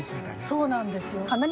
そうなんですよ。